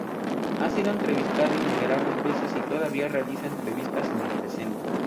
Ha sido entrevistado innumerables veces y todavía realiza entrevistas en el presente.